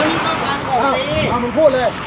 เมื่อเมื่อ